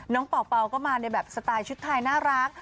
เป่าก็มาในแบบสไตล์ชุดไทยน่ารัก